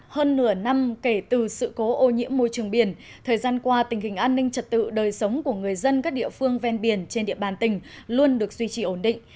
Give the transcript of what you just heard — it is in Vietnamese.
hơn nửa năm kể từ sự cố ô nhiễm môi trường biển thời gian qua tình hình an ninh trật tự đời sống của người dân các địa phương ven biển trên địa bàn tỉnh luôn được duy trì ổn định